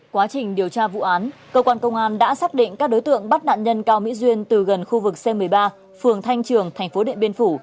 quá trình điều tra vụ án cơ quan công an đã xác định các đối tượng bắt nạn nhân cao mỹ duyên từ gần khu vực c một mươi ba phường thanh trường thành phố điện biên phủ